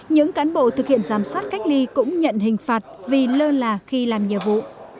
những cán bộ thực hiện giám sát cách ly cũng nhận hình phạt vì lơ là khi làm nhiệm vụ